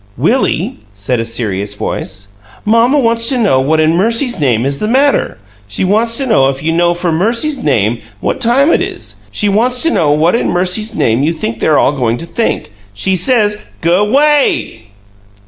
"Willie," said a serious voice, "mamma wants to know what in mercy's name is the matter! She wants to know if you know for mercy's name what time it is! She wants to know what in mercy's name you think they're all goin' to think! She says " "G'WAY!"